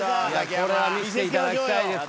これは見せていただきたいです